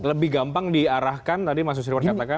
lebih gampang diarahkan tadi mas susirwan katakan